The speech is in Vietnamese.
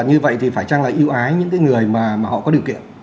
như vậy thì phải chăng là yêu ái những cái người mà họ có điều kiện